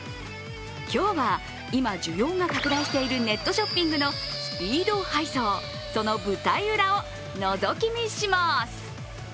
今日は今、需要が拡大しているネットショッピングのスピード配送、その舞台裏をのぞき見します。